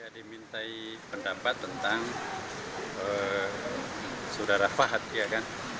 dimintai pendapat tentang sudara fahad